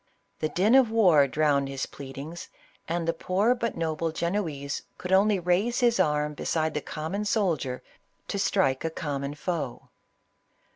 The din of war drowned his pleadings, and the poor but noble Genoese could only raise his arm be side the common soldier to strike a common foe.